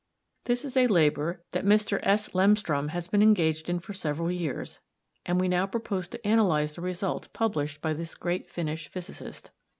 This is a labor that Mr. S. Lemstrom has been engaged in for several years, and we now propose to analyze the results published by this great Finnish physicist.